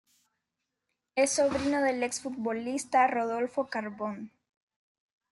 Es sobrino del ex-futbolista Rodolfo Carbone.